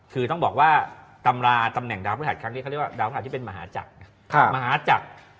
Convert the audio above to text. คือต้องบอกว่าตำแหน่งดาวพุทธหัดครั้งนี้เขาเรียกว่าดาวพุทธหัดที่เป็นมหาจักร